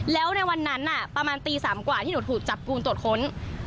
แล้วในวันนั้นประมาณตี๓กว่าที่หนูถูกจับกลุ่มตรวจค้น